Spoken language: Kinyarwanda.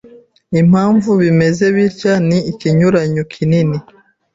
Impamvu bimeze bitya ni ikinyuranyo kinini